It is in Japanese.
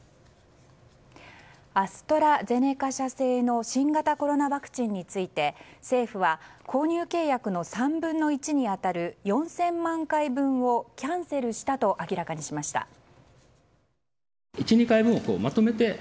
アストラゼネカ社製の新型コロナワクチンについて政府は購入契約の３分の１に当たる４０００万回分をキャンセルしたと明らかにしました。